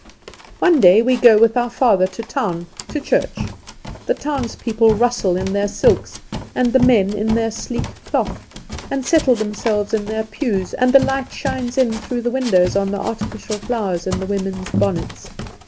One day we go with our father to town, to church. The townspeople rustle in their silks, and the men in their sleek cloth, and settle themselves in their pews, and the light shines in through the windows on the artificial flowers in the women's bonnets.